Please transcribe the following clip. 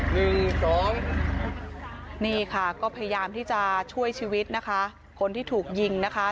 เสียชีวิตไป๒ศพนะคะนี่ค่ะก็พยายามที่จะช่วยชีวิตนะคะคนที่ถูกยิงนะคะ